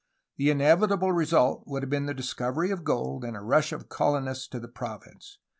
The inevitable result would have been the discovery of gold and a rush of colonists to the ANTONIO BUCARELI 275 province.